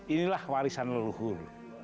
inilah warisan leluhur